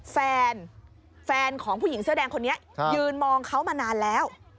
แฟนแฟนของผู้หญิงเสื้อแดงคนนี้ยืนมองเขามานานแล้ว